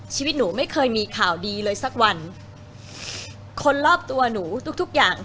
ชีวิตหนูไม่เคยมีข่าวดีเลยสักวันคนรอบตัวหนูทุกทุกอย่าง